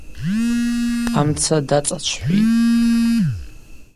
Амца дацӏачвхӏвитӏ.